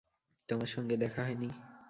তোমার সঙ্গে দেখা হয় নি?